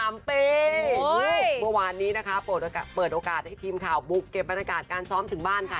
เมื่อวานนี้นะคะเปิดโอกาสให้ทีมข่าวบุกเก็บบรรยากาศการซ้อมถึงบ้านค่ะ